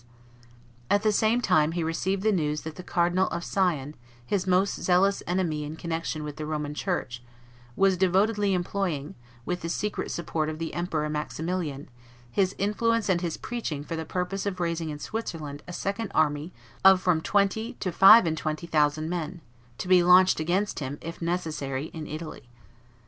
At the same time he received the news that the Cardinal of Sion, his most zealous enemy in connection with the Roman Church, was devotedly employing, with the secret support of the Emperor Maximilian, his influence and his preaching for the purpose of raising in Switzerland a second army of from twenty to five and twenty thousand men, to be launched against him, if necessary, in Italy.